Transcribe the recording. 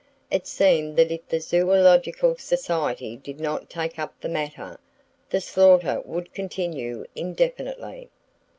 It seemed that if the Zoological Society did not take up the matter, the slaughter would continue indefinitely.